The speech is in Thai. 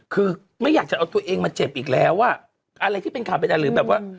คือไม่อยากจะเอาตัวเองมาเจ็บอีกแล้วอ่ะอะไรที่เป็นข่าวเป็นอะไรหรือแบบว่า